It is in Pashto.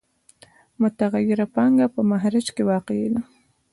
متغیره پانګه په مخرج کې واقع ده